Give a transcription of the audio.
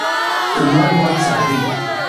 knwan mwah sali?